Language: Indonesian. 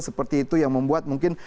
seperti itu yang membuat mungkin